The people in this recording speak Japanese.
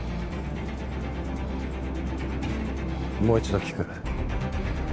もう一度聞く。